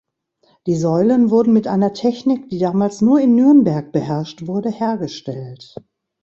Die Säulen wurden mit einer Technik, die damals nur in Nürnberg beherrscht wurde, hergestellt.